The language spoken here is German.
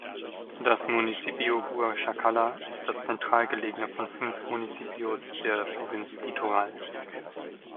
Das Municipio Huachacalla ist das zentral gelegene von fünf Municipios der Provinz Litoral.